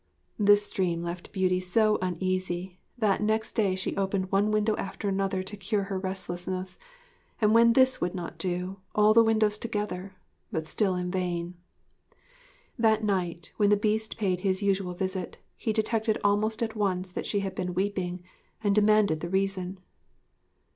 This dream left Beauty so uneasy that next day she opened one window after another to cure her restlessness; and, when this would not do, all the windows together; but still in vain. That night, when the Beast paid his usual visit, he detected almost at once that she had been weeping, and demanded the reason.